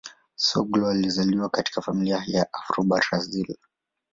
Soglo alizaliwa katika familia ya Afro-Brazil.